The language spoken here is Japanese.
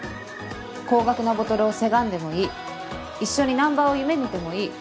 高額なボトルをせがんでもいい一緒にナンバーを夢みてもいい。